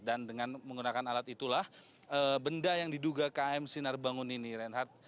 dan dengan menggunakan alat itulah benda yang diduga km sinar bangun ini reinhard